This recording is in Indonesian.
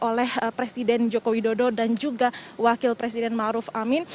jadi ini juga dihadiri oleh presiden joko widodo dan juga wakil presiden ma'ruf amin